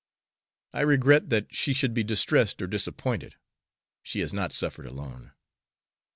I regret that she should be distressed or disappointed, she has not suffered alone.